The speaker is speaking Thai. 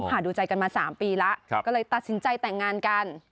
หาดูใจกันมา๓ปีแล้วก็เลยตัดสินใจแต่งงานกัน